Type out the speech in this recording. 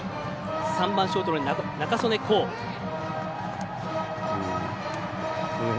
３番ショートの仲宗根皐。